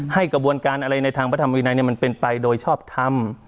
กระบวนการอะไรในทางพระธรรมวินัยมันเป็นไปโดยชอบทำ